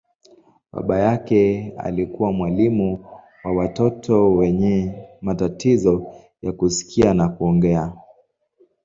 Baba yake alikuwa mwalimu wa watoto wenye matatizo ya kusikia na kuongea.